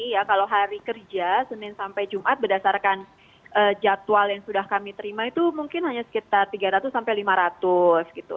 ya kalau hari kerja senin sampai jumat berdasarkan jadwal yang sudah kami terima itu mungkin hanya sekitar tiga ratus sampai lima ratus gitu